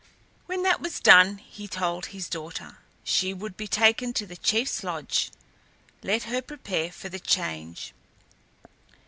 When that was done, he told his daughter, she would be taken to the chief's lodge; let her prepare for the change.